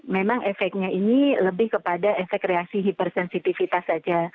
memang efeknya ini lebih kepada efek reaksi hipersensitifitas saja